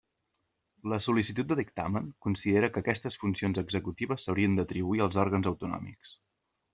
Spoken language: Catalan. La sol·licitud de dictamen considera que aquestes funcions executives s'haurien d'atribuir als òrgans autonòmics.